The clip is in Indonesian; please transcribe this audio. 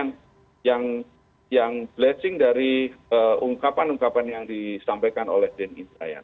nah ini yang blessing dari ungkapan ungkapan yang disampaikan oleh denny intrayana